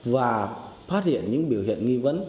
và phát hiện những biểu hiện nghi vấn